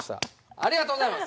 ありがとうございます。